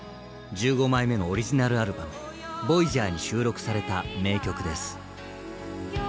１５枚目のオリジナルアルバム「ＶＯＹＡＧＥＲ」に収録された名曲です。